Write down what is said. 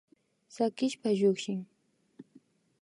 Sakishpa llukshin